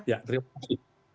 ya terima kasih